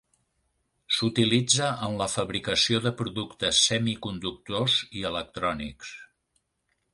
S'utilitza en la fabricació de productes semiconductors i electrònics.